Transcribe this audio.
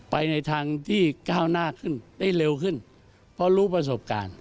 ไปในทางที่ก้าวหน้าขึ้นได้เร็วขึ้นเพราะรู้ประสบการณ์